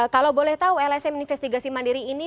kalau boleh tahu lsm investigasi mandiri ini